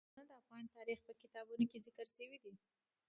سیلابونه د افغان تاریخ په کتابونو کې ذکر شوی دي.